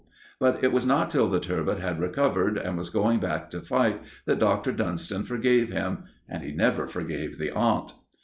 But it was not till the "Turbot" had recovered, and was going back to fight, that Dr. Dunston forgave him; and he never forgave the aunt.